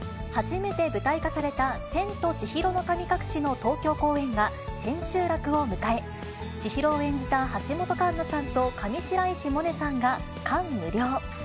初めて舞台化された千と千尋の神隠しの東京公演が千秋楽を迎え、千尋を演じた橋本環奈さんと上白石萌音さんが感無量。